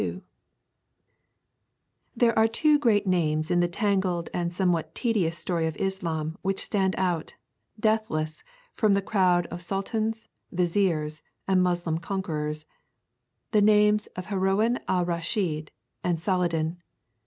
] There are two great names in the tangled and somewhat tedious story of Islam which stand out, deathless, from the crowd of sultans, viziers, and Moslem conquerors the names of Haroun al Raschid and Saladin.